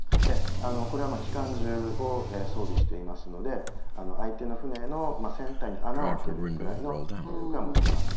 これは機関銃を装備していますので相手の船の船体に穴を開けるくらいの能力は持っています。